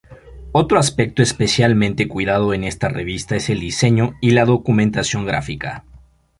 Otro aspecto especialmente cuidado en esta revista es el diseño y la documentación gráfica.